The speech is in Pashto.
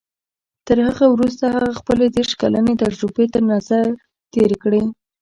تر هغه وروسته هغه خپلې دېرش کلنې تجربې تر نظر تېرې کړې.